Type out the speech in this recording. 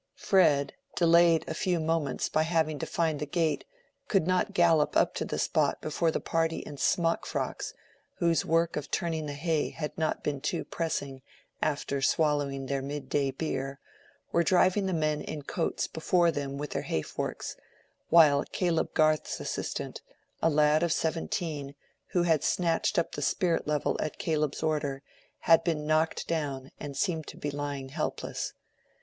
Fred, delayed a few moments by having to find the gate, could not gallop up to the spot before the party in smock frocks, whose work of turning the hay had not been too pressing after swallowing their mid day beer, were driving the men in coats before them with their hay forks; while Caleb Garth's assistant, a lad of seventeen, who had snatched up the spirit level at Caleb's order, had been knocked down and seemed to be lying helpless.